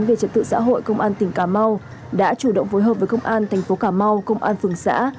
về trật tự xã hội công an tỉnh cà mau đã chủ động phối hợp với công an thành phố cà mau công an phường xã